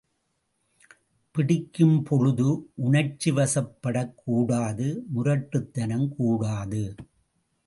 பிடிக்கும்பொழுது உணர்ச்சி வசப்படக்கூடாது, முரட்டுத்தனம் கூடாது.